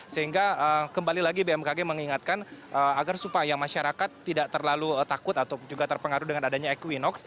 sehingga kembali lagi bmkg mengingatkan agar supaya masyarakat tidak terlalu takut atau juga terpengaruh dengan adanya equinox